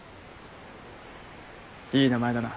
いい名前だな。